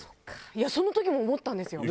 いやその時も思ったんですよ。